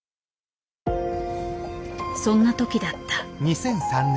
そんな時だった。